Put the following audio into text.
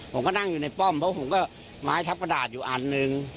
ผมก็นั่งอยู่ในป้อมเพราะผมก็ไม้ทับกระดาษอยู่อันหนึ่ง